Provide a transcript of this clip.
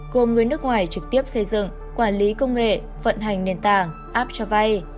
gồm người nước ngoài trực tiếp xây dựng quản lý công nghệ vận hành nền tảng app cho vay